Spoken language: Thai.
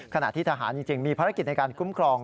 ขณะที่ทหารจริงมีภารกิจในการคุ้มครอง